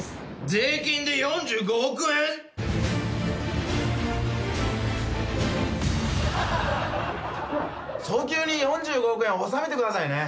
税金で４５億円⁉『彼こそが海賊』早急に４５億円納めてくださいね。